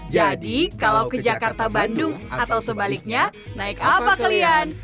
jadi kalau ke jakarta bandung atau sebaliknya naik apa kalian